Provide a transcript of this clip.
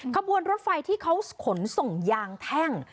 ขบวนรถไฟที่เขาขนส่งยางแท่ง